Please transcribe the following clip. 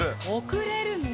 送れるんだ。